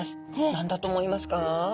何だと思いますか？